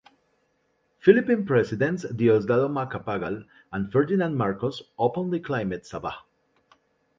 Philippine Presidents Diosdado Macapagal and Ferdinand Marcos openly claimed Sabah.